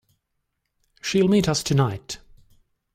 She'll meet us tonight.